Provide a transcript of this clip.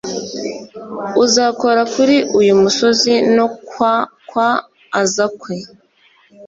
Uzakora kuri uyu musozi no kwkwa azkwe.